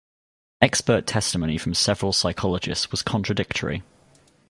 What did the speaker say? Expert testimony from several psychologists was contradictory.